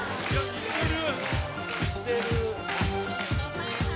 似てる。